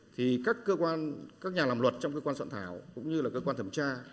thì các nhà làm luật trong cơ quan soạn thảo cũng như là cơ quan thẩm tra